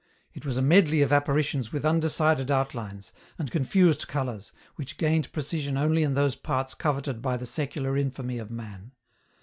It was a medley of apparitions with undecided outlines, and confused colours, which gained precision only in those parts coveted by the secular infamy of man.